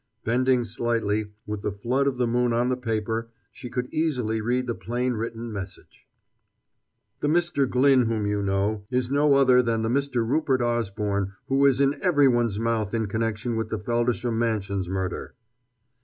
Bending slightly, with the flood of the moon on the paper, she could easily read the plainly written, message. ... The Mr. Glyn whom you know is no other than the Mr. Rupert Osborne who is in everyone's mouth in connection with the Feldisham Mansions Murder....